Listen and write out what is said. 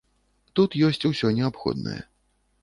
Тут ёсць усё неабходнае.